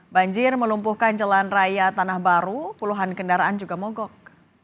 banjir melumpuhkan jalan raya tanah baru puluhan kendaraan juga mogok